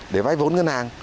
để vay vốn ngân hàng